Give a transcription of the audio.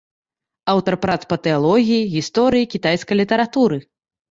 Аўтар прац па тэалогіі, гісторыі кітайскай літаратуры.